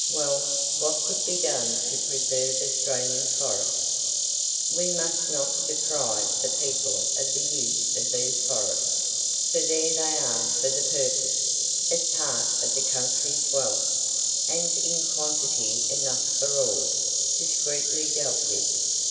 Well, what could be done to preserve Australian forests? We must not deprive the people of the use of these forests, for there they are for the purpose, as part of the country's wealth, and in quantity enough for all, discreetly dealt with.